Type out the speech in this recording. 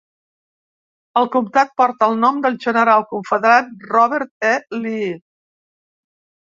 El comtat porta el nom del general confederat Robert E. Lee.